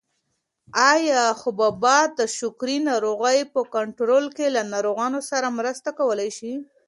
ایا حبوبات د شکرې ناروغۍ په کنټرول کې له ناروغانو سره مرسته کولای شي؟